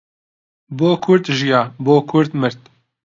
بۆ کورد ژیا، بۆ کورد مرد